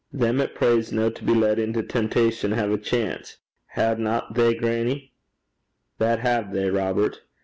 'Them 'at prays no to be led into temptation hae a chance haena they, grannie?' 'That hae they, Robert.